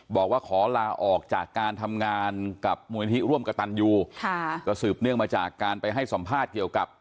บอกว่าขอลาออกจากการทำงานกับมูลนิธิร่วมกับตันยูค่ะก็สืบเนื่องมาจากการไปให้สัมภาษณ์เกี่ยวกับ